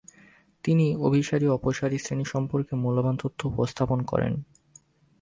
তিনি অভিসারী ও অপসারী শ্রেণী সম্পর্কে মূল্যবান তথ্য উপস্থাপন করেন।